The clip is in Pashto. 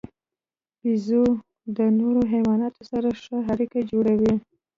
بیزو د نورو حیواناتو سره ښې اړیکې جوړوي.